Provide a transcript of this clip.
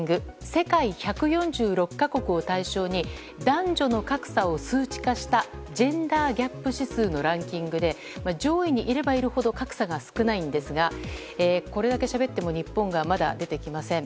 世界１４６か国を対象に男女の格差を数値化したジェンダーギャップ指数のランキングで上位にいればいるほど格差が少ないんですがこれだけしゃべっても日本がまだ出てきません。